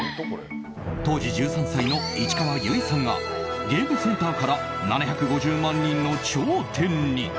当時１３歳の市川由衣さんがゲームセンターから７５０万人の頂点に。